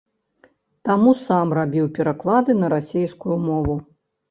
Таму сам рабіў пераклады на расейскую мову.